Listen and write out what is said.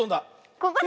ここだ！